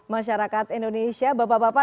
masyarakat indonesia bapak bapak